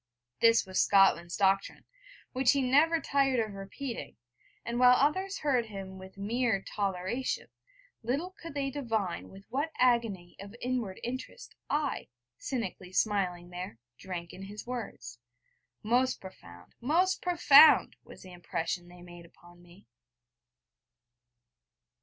This was Scotland's doctrine, which he never tired of repeating; and while others heard him with mere toleration, little could they divine with what agony of inward interest, I, cynically smiling there, drank in his words. Most profound, most profound, was the impression they made upon me.